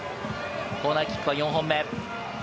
コーナーキックは４本目。